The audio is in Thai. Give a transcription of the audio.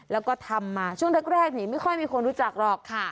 แล้วก็ทำมาช่วงแรกนี้ไม่ค่อยมีคนรู้จักหรอกค่ะ